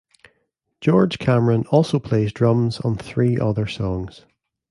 George Cameron also plays drums on three other songs.